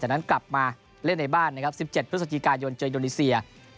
จำนั้นกลับมาเล่นในบ้าน๑๗พฤศจิกายนเจยอยนิเซีย